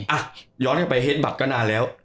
อ่ะย้อนกันไปเฮดบัตรก็นานแล้ว